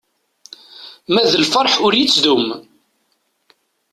Ma d lferḥ ur yettdum.